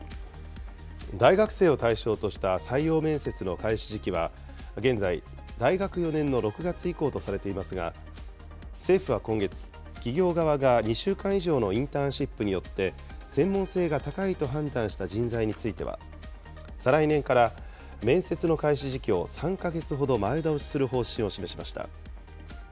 大学生を対象とした採用面接の開始時期は、現在、大学４年の６月以降とされていますが、政府は今月、企業側が２週間以上のインターンシップによって、専門性が高いと判断した人材については、再来年から面接の開始時期を３か月ほど前倒しする方針を示しました。